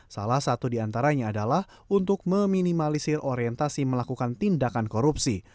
salah satu diantaranya adalah untuk meminimalisir orientasi melakukan tindakan korupsi